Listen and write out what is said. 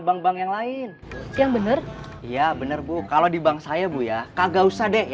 bank bank yang lain yang bener iya bener bu kalau di bank saya bu ya kagak usah deh